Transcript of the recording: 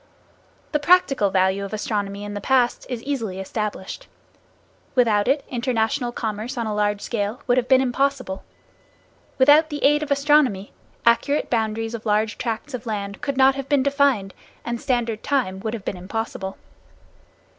The practical value of astronomy in the past is easily established. Without it, international commerce on a large scale would have been impossible. Without the aid of astronomy, accurate boundaries of large tracts of land could not have been defined and standard time would have been impossible.